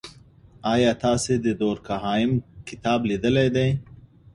آیا تاسې د دورکهایم کتاب لیدلی دی؟